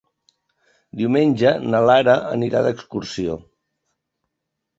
Diumenge na Lara anirà d'excursió.